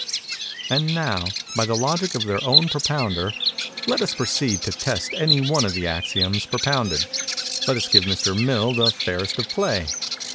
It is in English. "And now, by the logic of their own propounder, let us proceed to test any one of the axioms propounded. Let us give Mr. Mill the fairest of play.